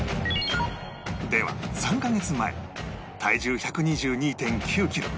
では３カ月前体重 １２２．９ キロ